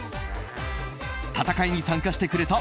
戦いに参加してくれた